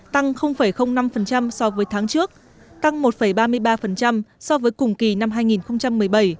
tăng năm so với tháng trước tăng một ba mươi ba so với cùng kỳ năm hai nghìn một mươi bảy